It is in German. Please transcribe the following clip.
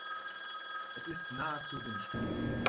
Es ist nahezu windstill.